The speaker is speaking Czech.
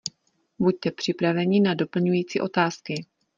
Buďte připraveni na doplňující otázky.